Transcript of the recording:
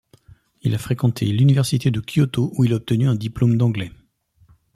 Il a fréquenté l'Université de Kyoto où il a obtenu un diplôme d'anglais.